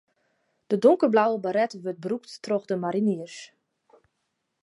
De donkerblauwe baret wurdt brûkt troch de mariniers.